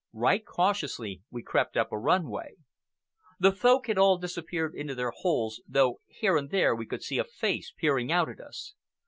Right cautiously we crept up a run way. The Folk had all disappeared into their holes, though here and there we could see a face peering out at us.